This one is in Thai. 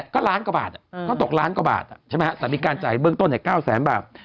ก็ล้านกว่าบาทต้องตกล้านกว่าบาทใช่ไหมฮะสามีการจ่ายเบื้องต้นแห่งเก้าแสนบาท